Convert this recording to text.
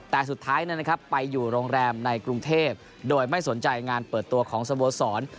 แต่สุดท้ายไปอยู่โรงแรมในกรุงเทพโดยไม่สนใจงานเปิดตัวของสโมสร